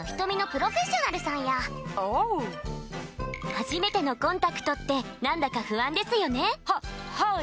初めてのコンタクトって何だか不安ですよね？ははい。